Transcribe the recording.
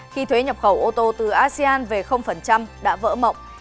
khi thuế nhập khẩu ô tô từ asean về đã vỡ mộng